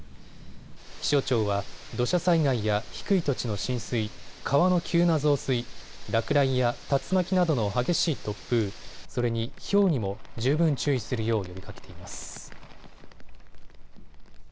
気象庁は土砂災害や低い土地の浸水、川の急な増水、落雷や竜巻などの激しい突風、それにひょうにも十分注意するよう呼びかけています。